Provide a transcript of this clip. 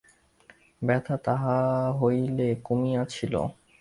ব্যথা তাহা হইলে কমিয়াছিল?